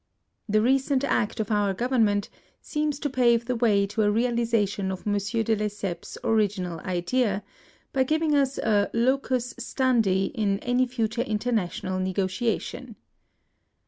The recent act of our Government seems to pave the way to a realisation of Mon sieur de Lesseps' original idea, by giving us a locus standi in any future international negotiation.